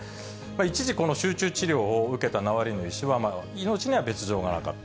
一時、この集中治療を受けたナワリヌイ氏は命には別状がなかった。